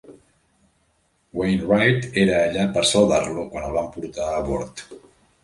Wainwright era allà per saludar-lo quan el van portar a bord.